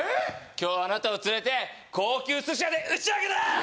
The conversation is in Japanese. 今日あなたを連れて高級すし屋で打ち上げだ！